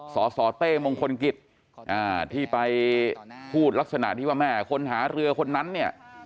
สสเต้มงคลกิจที่ไปพูดลักษณะที่ว่าแม่คนหาเรือคนนั้นเนี่ย